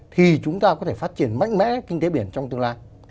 thì chúng ta có thể phát triển mạnh mẽ kinh tế biển trong tương lai